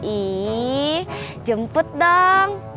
ih jemput dong